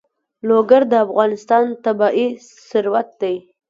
لوگر د افغانستان طبعي ثروت دی.